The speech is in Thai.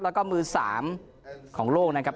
แล้วก็มือ๓ของโลกนะครับ